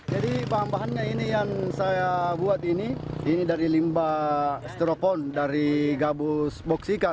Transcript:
jadi pembahannya ini yang saya buat ini ini dari limba stereofon dari gabus box ikan